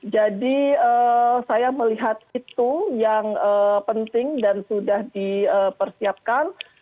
jadi saya melihat itu yang penting dan sudah dipersiapkan